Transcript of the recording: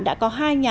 đã có hai nền văn hóa